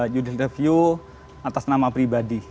judicial review atas nama pribadi